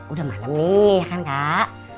udah malem nih kan kak